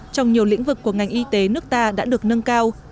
trong nhiều lĩnh vực của ngành y tế nước ta đã được nâng cao